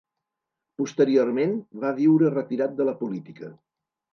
Posteriorment, va viure retirat de la política.